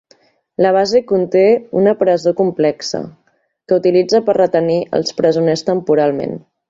La base conté una presó complexa, que utilitza per retenir els presoners temporalment.